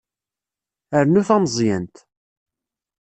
Rnu tameẓyant.